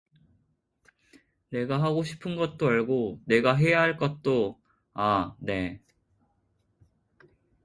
내가 하고 싶은 것도 알고 내가 해야 할 것도 아 네.